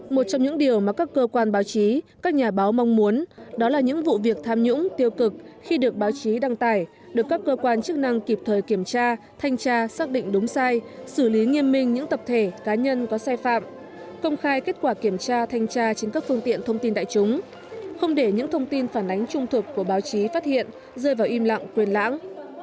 một trong những điều mà các cơ quan báo chí các nhà báo mong muốn đó là những vụ việc tham nhũng tiêu cực khi được báo chí đăng tải được các cơ quan chức năng kịp thời kiểm tra thanh tra xác định đúng sai xử lý nghiêm minh những tập thể cá nhân có sai phạm công khai kết quả kiểm tra thanh tra trên các phương tiện thông tin tại chúng không để những thông tin phản ánh trung thuộc của báo chí phát hiện rơi vào im lặng quên lãng